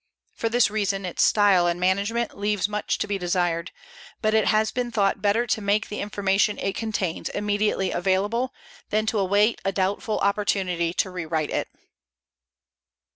For this reason its style and management leaves much to be desired, but it has been thought better to make the information it contains immediately available than to await a doubtful opportunity to rewrite it.